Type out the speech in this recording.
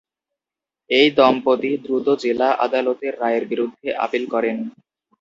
এই দম্পতি দ্রুত জেলা আদালতের রায়ের বিরুদ্ধে আপিল করেন।